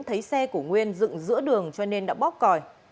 thấy xe của nguyên dựng giữa đường cho nên đã bóp còi